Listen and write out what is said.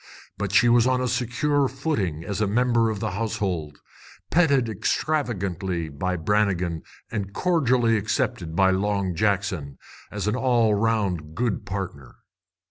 But she was on a secure footing as member of the household, petted extravagantly by Brannigan and cordially accepted by Long Jackson as an all round good partner.